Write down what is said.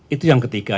itu yang ketiga